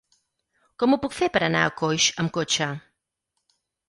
Com ho puc fer per anar a Coix amb cotxe?